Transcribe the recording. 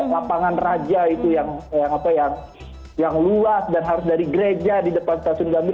lapangan raja itu yang luas dan harus dari gereja di depan stasiun gambir